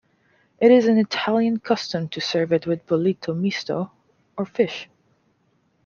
It is an Italian custom to serve it with bollito misto or fish.